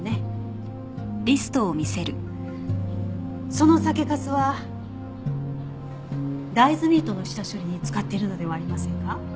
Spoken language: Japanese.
その酒粕は大豆ミートの下処理に使っているのではありませんか？